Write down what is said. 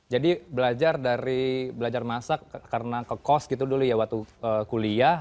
jadi belajar dari belajar masak karena ke kos gitu dulu ya waktu kuliah